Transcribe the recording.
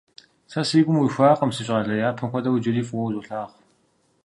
Сэ си гум уихуакъым, си щӀалэ, япэм хуэдэу, иджыри фӀыуэ узолъагъу.